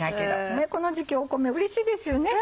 この時期米うれしいですよね。